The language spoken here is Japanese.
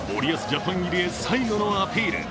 ジャパン入りへ最後のアピール。